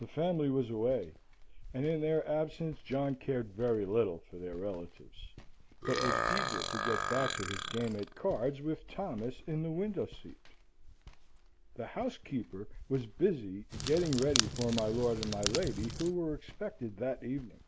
The family was away, and in their absence John cared very little for their relatives, but was eager to get back to his game at cards with Thomas in the window seat. The housekeeper was busy getting ready for my lord and my lady, who were expected that evening.